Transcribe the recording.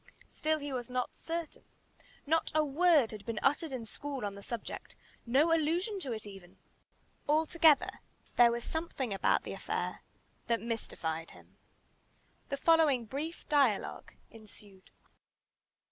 Still he was not certain. Not a word had been uttered in school on the subject no allusion to it even. Altogether there was something about the affair that mystified him. The following brief dialogue ensued.